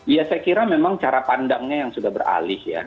ya saya kira memang cara pandangnya yang sudah beralih ya